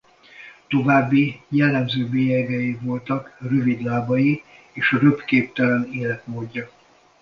További jellemző bélyegei voltak rövid lábai és röpképtelen életmódja.